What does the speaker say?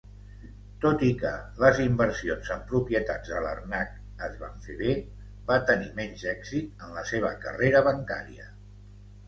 Tot i que les inversions en propietats de Larnach es van fer bé, va tenir menys èxit en la seva carrera bancària.